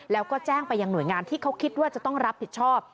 แล้วก็แจ้งไปยังหน่วยงานที่เขาคิดว่าจะต้องรับผิดชอบ